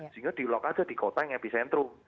sehingga dilock aja di kota yang epicentrum